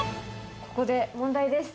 ここで問題です。